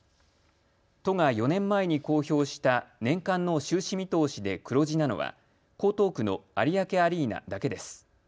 都が４年前に公表した年間の収支見通しで黒字なのは江東区の有明アリーナだけです。